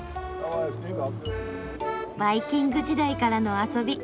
バイキング時代からの遊び